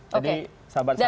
jadi sabar saja